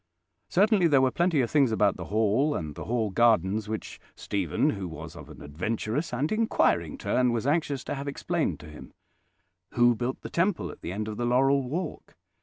Certainly there were plenty of things about the Hall and the Hall gardens which Stephen, who was of an adventurous and inquiring turn, was anxious to have explained to him. "Who built the temple at the end of the laurel walk?